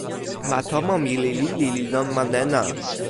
ma tomo mi li lili li lon ma nena.